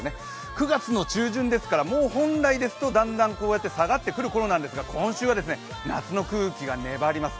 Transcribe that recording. ９月の中旬ですから、もう本来ですとだんだん下がってくるころなんですけど今週は夏の空気が粘ります。